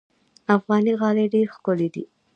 افغاني غالۍ ډېرې ښکلې دي.